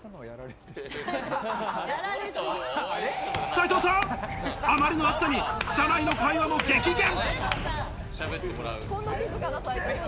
斉藤さん、あまりの暑さに車内の会話も激減。